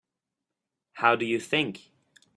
How do you think?